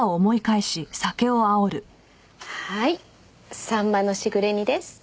はいさんまの時雨煮です。